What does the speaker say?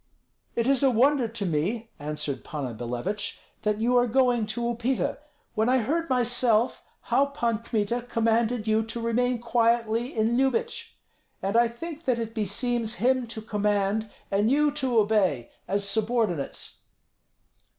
"It is a wonder to me," answered Panna Billevich, "that you are going to Upita, when I heard myself how Pan Kmita commanded you to remain quietly in Lyubich, and I think that it beseems him to command and you to obey, as subordinates."